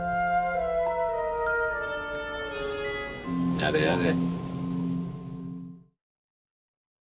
やれやれ。